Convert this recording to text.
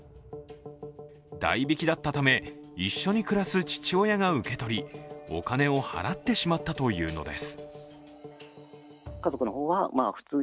代引だったため、一緒に暮らす父親が受け取りお金を払ってしまったというのです。